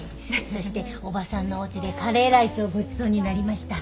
そしておばさんのおうちでカレーライスをごちそうになりました。